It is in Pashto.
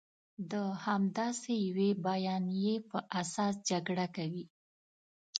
د همداسې یوې بیانیې په اساس جګړه کوي.